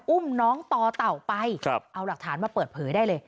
อุ้มน้องต่อเต่าไปเอาหลักฐานมาเปิดเผยได้เลย